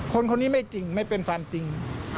คนคนนี้ไม่จริงไม่เป็นความจริง